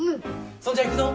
そんじゃいくぞ。